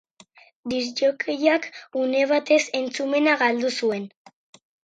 Disc-jockeyak une batez entzumena galdu zuen.